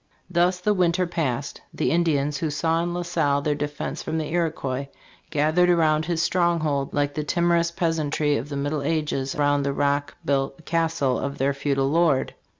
Thus the winter passed. The Indians, who saw in La Salle their defense from the Iroquois, "gathered around his stronghold like the timerous peas antry of the middle ages round the rock built castle of their feudal lord.